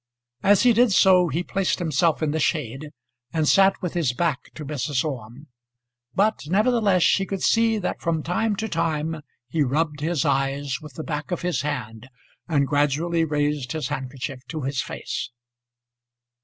As he did so, he placed himself in the shade, and sat with his back to Mrs. Orme; but nevertheless she could see that from time to time he rubbed his eyes with the back of his hand, and gradually raised his handkerchief to his face.